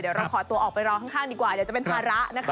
เดี๋ยวเราขอตัวออกไปรอข้างดีกว่าเดี๋ยวจะเป็นภาระนะคะ